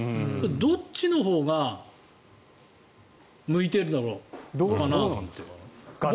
どっちのほうが向いてるんだろうか。